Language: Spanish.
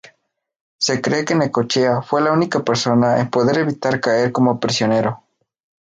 Se cree que Necochea fue la única persona en poder evitar caer como prisionero.